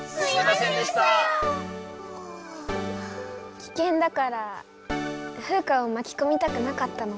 きけんだからフウカをまきこみたくなかったの。